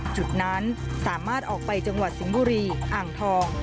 จุดนั้นสามารถออกไปจังหวัดสิงห์บุรีอ่างทอง